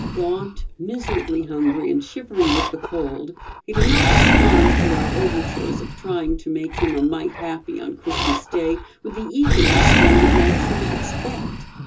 Gaunt, miserably hungry and shivering with the cold, he did not respond to our overtures of trying to make him a mite happy on Christmas day, with the eagerness one would naturally expect.